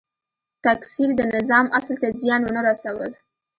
تکثیر د نظام اصل ته زیان ونه رسول.